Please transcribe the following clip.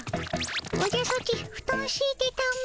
おじゃソチふとんしいてたも。